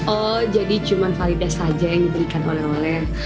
oh jadi cuma valida saja yang diberikan oleh oleh